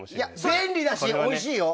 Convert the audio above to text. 便利だし、おいしいよ。